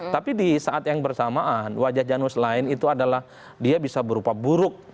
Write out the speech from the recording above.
tapi di saat yang bersamaan wajah janus lain itu adalah dia bisa berupa buruk